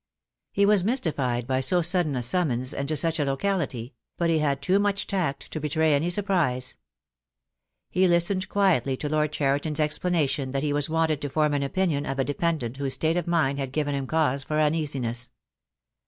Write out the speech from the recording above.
He was mystified by so sudden a summons and to such a locality; but he had too much tact to betray any surprise. He listened quietly to Lord Cheriton's explana tion that he was wanted to form an opinion of a dependent whose state of mind had given cause for uneasiness.